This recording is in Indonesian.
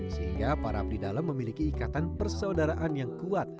sehingga para abdi dalam memiliki ikatan persaudaraan yang kuat